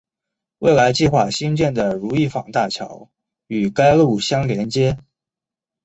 未来计划兴建的如意坊大桥与该路相连接。